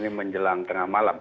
ini menjelang tengah malam